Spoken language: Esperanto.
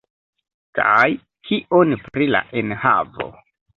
Kaj kion pri la enhavo?